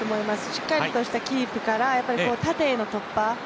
しっかりとしたキープから縦への突破